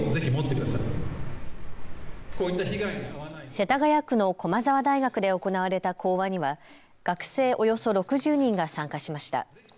世田谷区の駒澤大学で行われた講話には学生およそ６０人が参加しました。